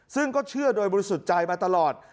ซึ่งก็เชื่อโดยบริสุทธิ์ใจมาตลอด